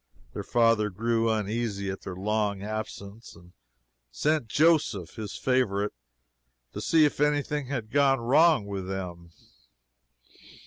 Their father grew uneasy at their long absence, and sent Joseph, his favorite, to see if any thing had gone wrong with them.